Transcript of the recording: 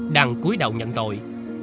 đang cuối đầu nhận tội